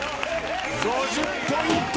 ５０ポイント